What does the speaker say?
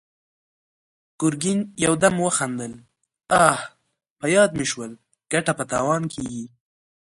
ګرګين يودم وخندل: اه! په ياد مې شول، ګټه په تاوان کېږي!